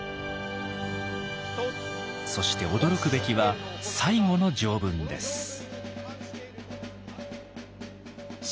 そして驚くべきは最後の条文です。